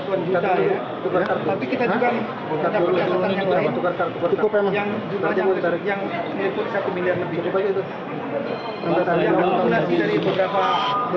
tapi kita juga ada pernyataan yang lain yang jutaan yang menyebut satu miliar lebih